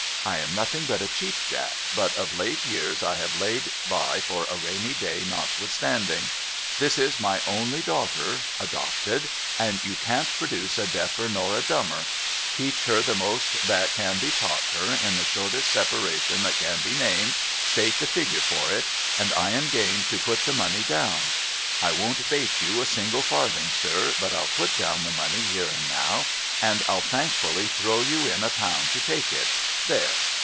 I am nothing but a Cheap Jack, but of late years I have laid by for a rainy day notwithstanding. This is my only daughter (adopted), and you can't produce a deafer nor a dumber. Teach her the most that can be taught her in the shortest separation that can be named, — state the figure for it,— and I am game to put the money down. I won't bate you a single farthing, sir, but I'll put down the money here and now, and I'll thankfully throw you in a pound to take it. There